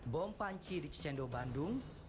bom panci di cicendo bandung